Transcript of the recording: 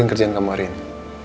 itu kerjaan kamu hari ini